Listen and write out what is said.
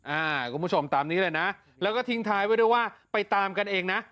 คุณผู้ชมตามนี้เลยนะแล้วก็ทิ้งท้ายไว้ด้วยว่าไปตามกันเองนะ